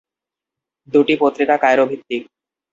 দুটি পত্রিকা কায়রো ভিত্তিক।